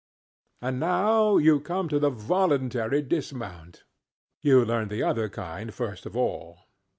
And now you come to the voluntary dismount; you learned the other kind first of all.